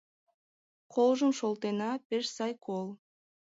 Колжым шолтена, пеш сай кол.